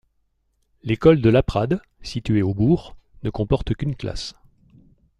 L'école de Laprade, située au bourg, ne comporte qu'une classe.